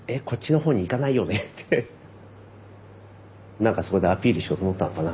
何かそこでアピールしようと思ったのかな